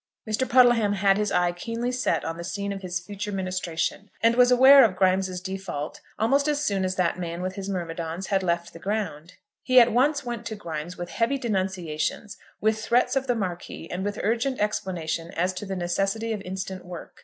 Mr. Puddleham had his eye keenly set on the scene of his future ministration, and was aware of Grimes's default almost as soon as that man with his myrmidons had left the ground. He at once went to Grimes with heavy denunciations, with threats of the Marquis, and with urgent explanation as to the necessity of instant work.